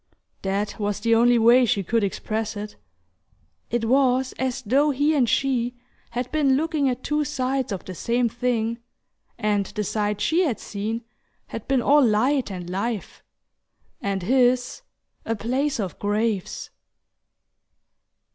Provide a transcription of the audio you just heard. That was the only way she could express it. It was as though he and she had been looking at two sides of the same thing, and the side she had seen had been all light and life, and his a place of graves...